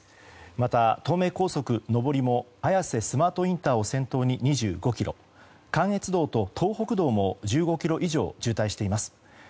また、東名高速上りも綾瀬スマートインターを先頭に２５ｋｍ関越道と東北道も１５ｋｍ以上渋滞しています。